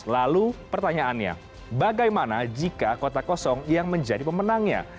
lalu pertanyaannya bagaimana jika kota kosong yang menjadi pemenangnya